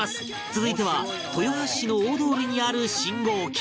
続いては豊橋市の大通りにある信号機